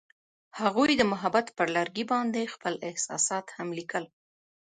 هغوی د محبت پر لرګي باندې خپل احساسات هم لیکل.